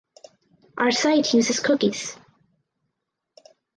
Our site uses cookies.